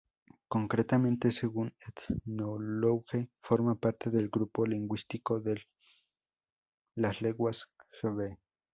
Concretamente, según Ethnologue, forma parte del grupo lingüístico de las lenguas gbe.